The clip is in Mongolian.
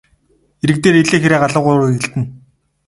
Эрэг дээр элээ хэрээ галуу гурав эргэлдэнэ.